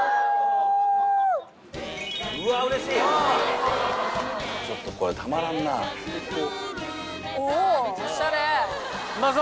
うわーうれしいちょっとこれたまらんなおお！